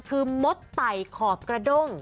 คือมดไต่ขอบกระด้ง